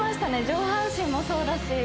上半身もそうだし